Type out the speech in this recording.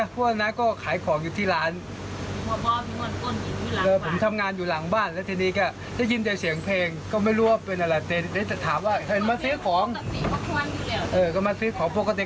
ให้น้ำกินท่าเล่นเปิดเพลงอย่างนี้